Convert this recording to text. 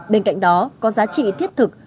bên cạnh đó có giá trị thiết thực